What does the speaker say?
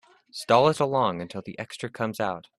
Stall it along until the extra comes out.